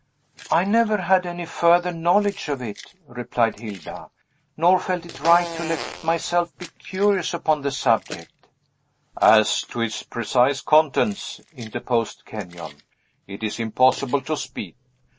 "I never had any further knowledge of it," replied Hilda, "nor felt it right to let myself be curious upon the subject." "As to its precise contents," interposed Kenyon, "it is impossible to speak.